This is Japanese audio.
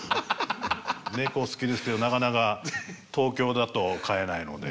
猫好きですけどなかなか東京だと飼えないので。